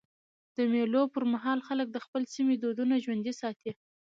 د مېلو پر مهال خلک د خپل سیمي دودونه ژوندي ساتي.